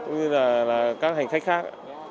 cũng như là các hành khách khác